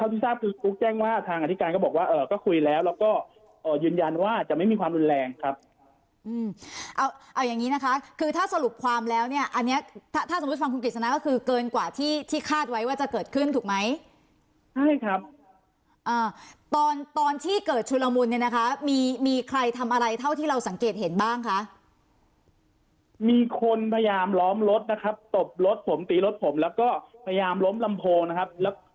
คุณธินากรบอกว่าคุณธินากรบอกว่าคุณธินากรบอกว่าคุณธินากรบอกว่าคุณธินากรบอกว่าคุณธินากรบอกว่าคุณธินากรบอกว่าคุณธินากรบอกว่าคุณธินากรบอกว่าคุณธินากรบอกว่าคุณธินากรบอกว่าคุณธินากรบอกว่าคุณธินากรบอกว่าคุณธินากรบอกว่าคุณธินากรบอกว่าคุณธินากรบอก